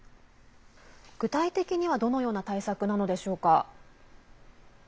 具体的にはどのような対策なのでしょうか？